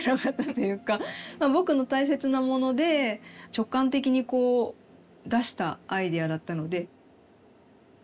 「ぼく」の大切なもので直感的にこう出したアイデアだったので。